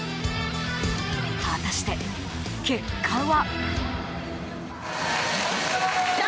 果たして、結果は？